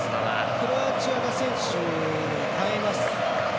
クロアチアの選手を代えます。